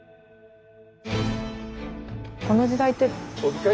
この時代って。